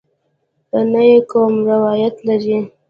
نه یې کوم روایت لرې.